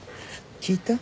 聞いた？